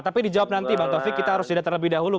tapi dijawab nanti bang tevik kita harus didatangi lebih dahulu